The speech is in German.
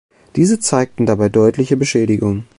Diese zeigten dabei deutliche Beschädigungen.